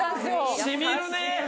染みるね！